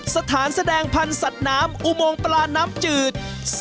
สถานแสดงพันธุ์สัตว์น้ำอุโมงปลาน้ำจืด